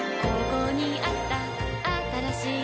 ここにあったあったらしい